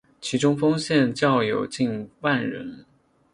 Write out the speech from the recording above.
其中丰县教友近万人。